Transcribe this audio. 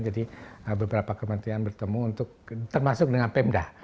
jadi beberapa kementerian bertemu untuk termasuk dengan pemda